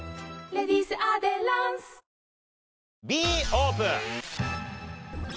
Ｂオープン。